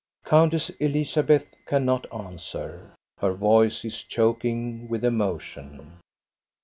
'* Countess Elizabeth cannot answer. Her voice is choking with emotion.